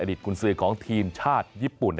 อดิตกรุ่นซื้อของทีมชาติญี่ปุ่น